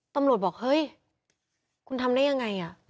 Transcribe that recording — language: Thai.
บอกเฮ้ยคุณทำได้ยังไง